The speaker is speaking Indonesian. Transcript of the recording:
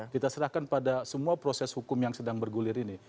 kita serahkan pada semua proses hukum yang sedang bergulir ini